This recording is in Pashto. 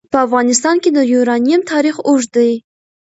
په افغانستان کې د یورانیم تاریخ اوږد دی.